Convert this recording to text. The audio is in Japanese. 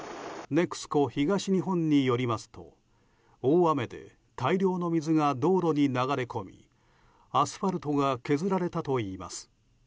ＮＥＸＣＯ東日本によりますと大雨で大量の水が道路に流れ込みアスファルトが削られたといいます。